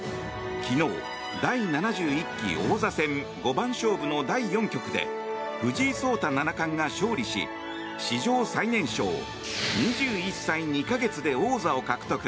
昨日、第７１期王座戦五番勝負の第４局で藤井聡太七冠が勝利し史上最年少２１歳２か月で王座を獲得。